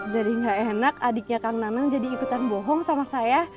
jadi gak enak adiknya kang nanang jadi ikutan bohong sama saya